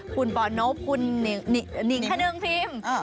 คุณปอนบคุณนิงขนึงพิมพ์